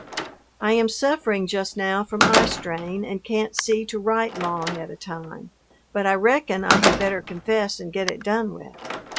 I am suffering just now from eye strain and can't see to write long at a time, but I reckon I had better confess and get it done with.